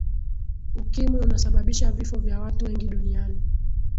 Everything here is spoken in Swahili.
ukimwi unasababisha vifo vya watu wengi duniani